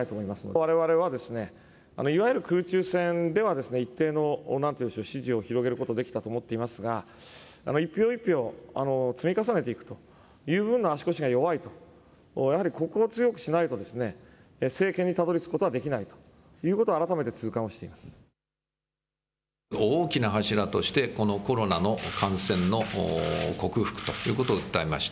われわれはいわゆる空中戦では一定の、なんて言うんでしょう、支持を広げることができたと思っていますが、一票一票、積み重ねていくということに、足腰が弱い、やはりここを強くしないと、政権にたどりつくことはできないということは、改めて痛感大きな柱として、コロナの感染の克服ということを訴えました。